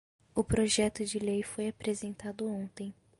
O projeto de lei foi apresentado ontem